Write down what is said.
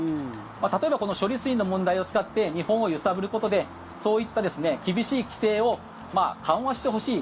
例えばこの処理水の問題を使って日本を揺さぶることでそういった厳しい姿勢を緩和してほしい。